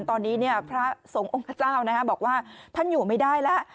ตอนนี้พระสงฆ์องค์พระเจ้าบอกว่าท่านอยู่ไม่ได้แล้ว